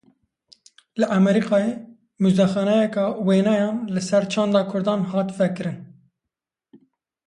Li Amerîkayê muzexaneyeke wêneyan li ser çanda Kurdan hat vekirin.